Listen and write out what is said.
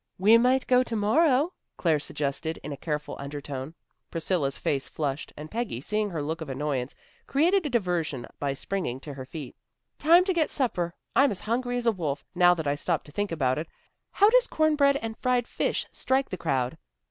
"We might go to morrow," Claire suggested in a careful undertone. Priscilla's face flushed, and Peggy seeing her look of annoyance, created a diversion by springing to her feet. "Time to get supper. I'm as hungry as a wolf, now that I stop to think about it. How does cornbread and fried fish strike the crowd?"